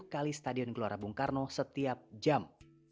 lima puluh kali stadion gelora bung karno setiap jam